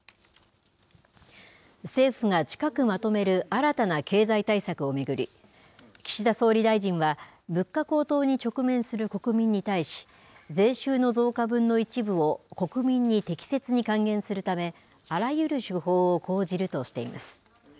政府が近くまとめる新たな経済対策を巡り岸田総理大臣は物価高騰に直面する国民に対し税収の増加分の一部を国民に適切に還元するためあらゆる手法を講じるとしています。